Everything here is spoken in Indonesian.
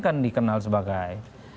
kan dikenal sebagai